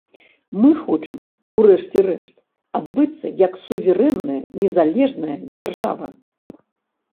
Мы хочам, у рэшце рэшт, адбыцца як суверэнная незалежная дзяржава.